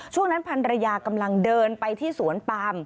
ช่วงนั้นพันรยากำลังเดินไปที่สวนปาม